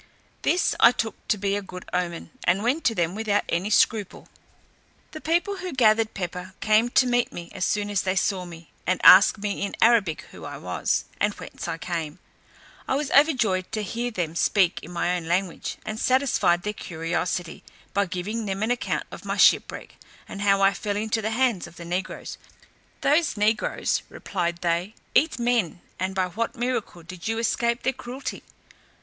This I took to be a good omen, and went to them without any scruple. The people who gathered pepper came to meet me as soon as they saw me, and asked me in Arabic who I was, and whence I came? I was overjoyed to hear them speak in my own language, and satisfied their curiosity, by giving them an account of my shipwreck, and how I fell into the hands of the negroes. "Those negroes," replied they, "eat men, and by what miracle did you escape their cruelty?"